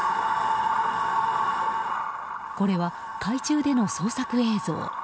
これは海中での捜索映像。